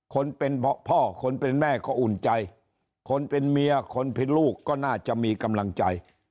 คนเป็นพ่อคนเป็นแม่ก็อุ่นใจคนเป็นเมียคนเป็นลูกก็น่าจะมีกำลังใจ